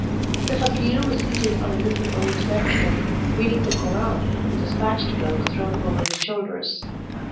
The fakeer was seated on a little old bedstead reading the Koran, with his patched cloak thrown over his shoulders.